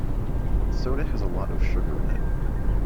Soda has a lot of sugar in it.